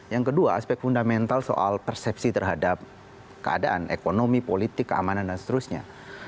yang kedua aspek fundamental soal persepsi terhadap keadaan ekonomi politik keamanan dan seterusnya